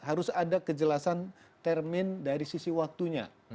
harus ada kejelasan termin dari sisi waktunya